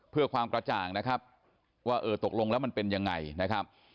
เพื่อความกระจ่างนะครับว่าเออตกลงแล้วมันเป็นยังไงนะครับ